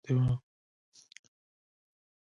يوه په خپل پخواني حالت پاتې وه.